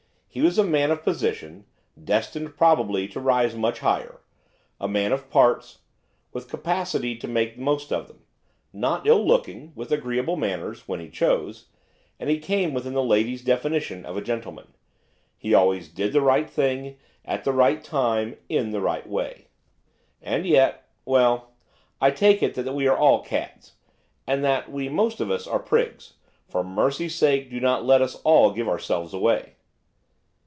He was a man of position, destined, probably, to rise much higher; a man of parts, with capacity to make the most of them; not ill looking; with agreeable manners, when he chose; and he came within the lady's definition of a gentleman, 'he always did the right thing, at the right time, in the right way.' And yet ! Well, I take it that we are all cads, and that we most of us are prigs; for mercy's sake do not let us all give ourselves away.